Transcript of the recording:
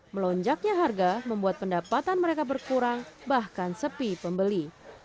melonjaknya harga membuat pendapatan mereka berkurang bahkan sepi pembeli